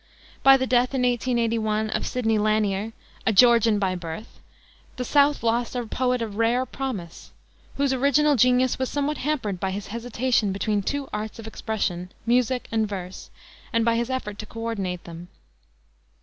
By the death, in 1881, of Sidney Lanier, a Georgian by birth, the South lost a poet of rare promise, whose original genius was somewhat hampered by his hesitation between two arts of expression, music and verse, and by his effort to co ordinate them.